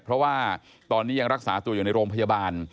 เพราะว่าตอนนี้ยังรักษาตัวอยู่ในโรงพยาบาล